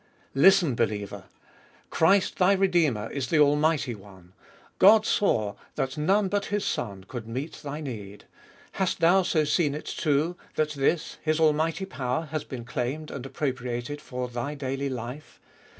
Listen, believer! Christ, thy Redeemer, is the Almighty One. God saw that none but His Son could meet thy need : hast thou so seen it, too, that this, His almighty power, has been claimed and appropriated for thy daily life?